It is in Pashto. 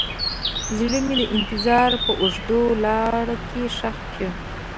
زړه مې د انتظار په اوږده لاره کې ښخ شو.